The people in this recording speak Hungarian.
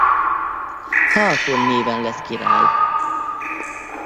Haakon néven lett király.